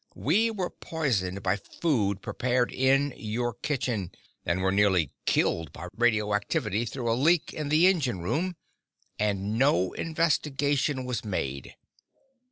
We were poisoned by food prepared in your kitchen, and were nearly killed by radioactivity through a leak in the engine room and no investigation was made.